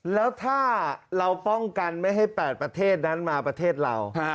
แล้วถ้าเราป้องกันไม่ให้๘ประเทศนั้นมาประเทศเรา